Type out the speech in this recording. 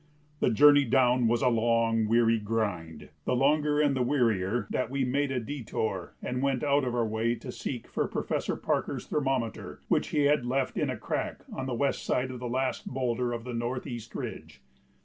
The journey down was a long, weary grind, the longer and the wearier that we made a détour and went out of our way to seek for Professor Parker's thermometer, which he had left "in a crack on the west side of the last boulder of the northeast ridge."